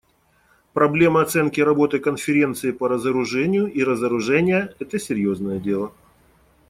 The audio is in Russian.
Проблема оценки работы Конференции по разоружению и разоружения − это серьезное дело.